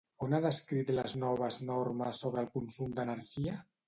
On ha descrit les noves normes sobre el consum d'energia?